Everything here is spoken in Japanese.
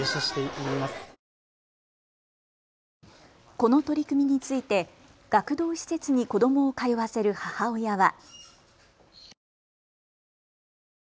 この取り組みについて学童施設に子どもを通わせる母親は。